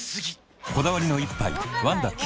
こだわりの一杯「ワンダ極」